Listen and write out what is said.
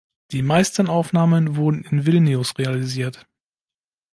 Die meisten Aufnahmen wurden in Vilnius realisiert.